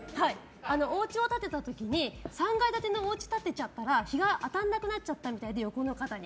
おうちを建てた時に３階建てのおうちを建てた時に日が当たらなくなっちゃったみたいで、横の方に。